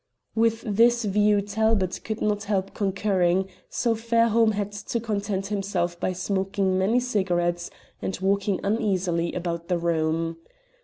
With this view Talbot could not help concurring, so Fairholme had to content himself by smoking many cigarettes and walking uneasily about the room.